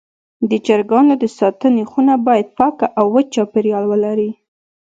د چرګانو د ساتنې خونه باید پاکه او وچ چاپېریال ولري.